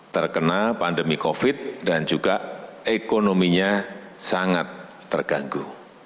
terkena pandemi covid dan juga ekonominya sangat terganggu